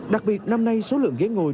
đặc biệt năm nay số lượng ghế ngồi